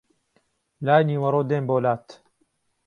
لای نیوەڕۆ دێم بۆ لات